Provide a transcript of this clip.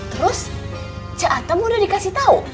terus cik atam udah di kasih tahu